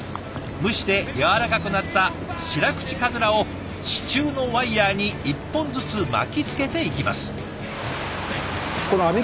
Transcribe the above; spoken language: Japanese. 蒸してやわらかくなったシラクチカズラを支柱のワイヤーに１本ずつ巻きつけていきます。